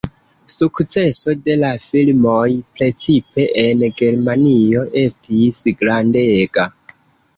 Sukceso de la filmoj precipe en Germanio estis grandega.